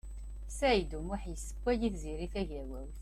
Saɛid U Muḥ yessewway i Tiziri Tagawawt.